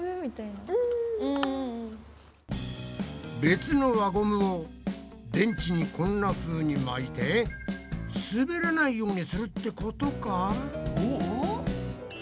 別の輪ゴムを電池にこんなふうに巻いてすべらないようにするってことか？